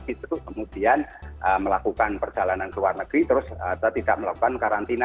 itu kemudian melakukan perjalanan ke luar negeri terus atau tidak melakukan karantina